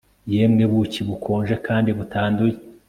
Yemwe buki bukonje kandi butanduye